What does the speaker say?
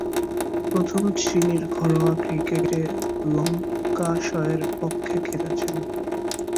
প্রথম-শ্রেণীর ঘরোয়া ক্রিকেটে ল্যাঙ্কাশায়ারের পক্ষে খেলেছেন।